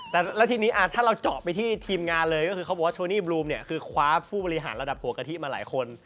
ถ้าเรายมมี่ไปที่ทีมงานโทนีโบรูมคว้าผู้บริหารระดับหัวถิ่นมาหลายคน